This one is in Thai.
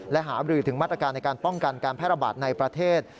และหาบรือถึงมาตรการในการป้องกันการแพร่ระบาดในประเทศ